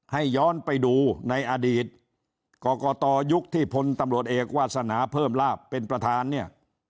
ให้ย้อนไปดูในอดีตกรกตยุคที่พลตำรวจเอกวาสนาเพิ่มลาบเป็นประธานเนี่ย